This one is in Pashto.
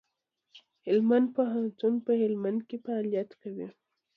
هلمند پوهنتون په هلمند کي فعالیت کوي.